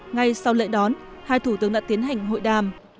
ngay sau lễ đón hai thủ tướng đã tiến hành hội đàm